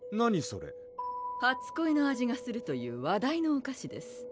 それ初恋の味がするという話題のお菓子です